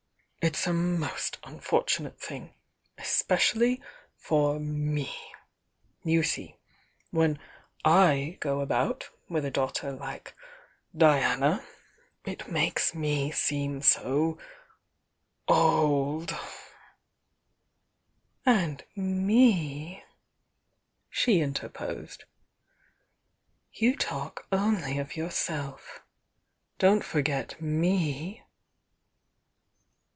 "It's a most unfortunate thing— especially for me. You see, when I go about witti a daughter bke Diana, it makes me seem so "And me!" she interposed. "You talk only of yourself,— don't forget me!"